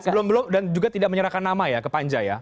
dan sebelum belum dan juga tidak menyerahkan nama ya ke panja ya